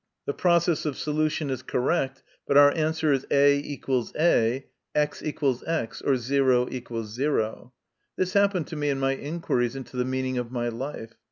The process of solution is correct, but our answer is a = a y x = x> or o = o. This happened to me in my inquiries into the meaning of my life.